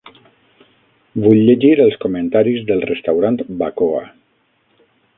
Vull llegir els comentaris del restaurant Bacoa.